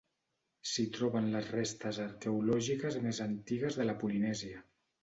S'hi troben les restes arqueològiques més antigues de la Polinèsia.